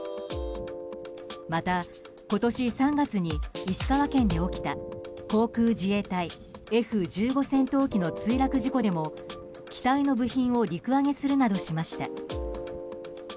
また、今年３月に石川県で起きた航空自衛隊Ｆ１５戦闘機墜落事故でも機体の部品を陸揚げするなどしました。